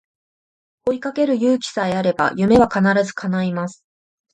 追いかける勇気さえあれば夢は必ず叶います